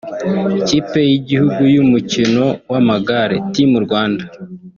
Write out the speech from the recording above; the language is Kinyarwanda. Ikipe y’igihugu y’umukino w’amagare (Team Rwanda)